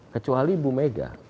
kecuali bu mega